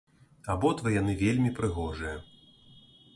Абодва яны вельмі прыгожыя.